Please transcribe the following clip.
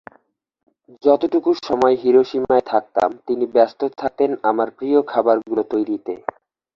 যতটুকু সময় হিরোশিমায় থাকতাম তিনি ব্যস্ত থাকতেন আমার প্রিয় খাবারগুলো তৈরিতে।